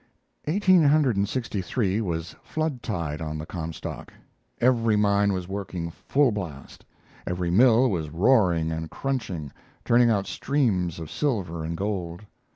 Eighteen hundred and sixty three was flood tide on the Comstock. Every mine was working full blast. Every mill was roaring and crunching, turning out streams of silver and gold.